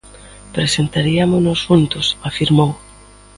"Presentariámonos xuntos", afirmou.